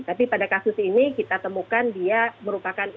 tapi pada kasus ini kita temukan dia merupakan